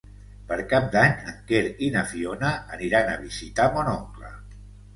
Per Cap d'Any en Quer i na Fiona aniran a visitar mon oncle.